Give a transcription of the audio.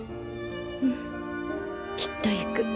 うんきっと行く。